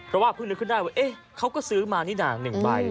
เราว่าพึ่งนึกขึ้นได้ว่าเอ๊ะเขาก็ซื้อมานี่น่ะหนึ่งใบ